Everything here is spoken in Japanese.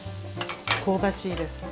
香ばしいです。